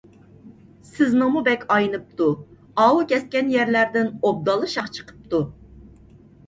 سىزنىڭمۇ بەك ئاينىپتۇ، ئاۋۇ كەسكەن يەرلەردىن ئوبدانلا شاخ چىقىپتۇ.